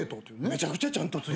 めちゃくちゃちゃんと。